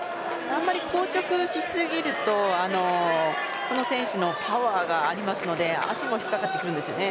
あまり、こう着しすぎるとこの選手、パワーがありますので足も引っかかってくるんですよね。